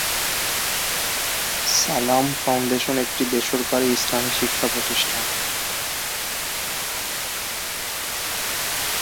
সালাম ফাউন্ডেশন একটি বেসরকারি ইসলামি শিক্ষা প্রতিষ্ঠান।